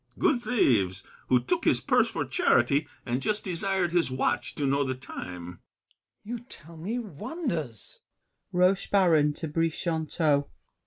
— Good thieves, who took his purse for charity, And just desired his watch to know the time. GASSÉ. You tell me wonders!